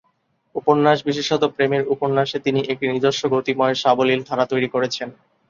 উপন্যাস, বিশেষত প্রেমের উপন্যাসে তিনি একটি নিজস্ব গতিময় সাবলীল ধারা তৈরি করেছেন।